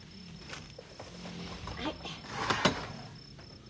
はい。